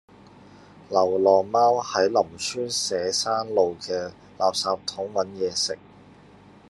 流浪貓喺林村社山路嘅垃圾桶搵野食